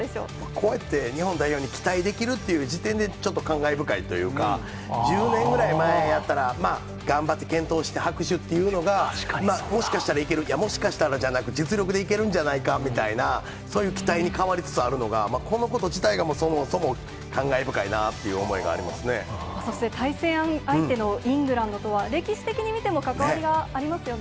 こうやって日本代表に期待できるっていう時点で、ちょっと感慨深いというか、１０年前やったら、頑張って健闘して、拍手っていうのが、もしかしたらいける、もしかしたらじゃなく、実力でいけるんじゃないかみたいな、そういう期待に変わりつつあるのが、このこと自体が、そもそも感そして、対戦相手のイングランドとは、歴史的に見ても関わりがありますよね。